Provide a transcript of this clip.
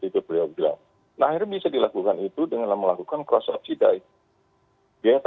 di mana melakukan cross optidize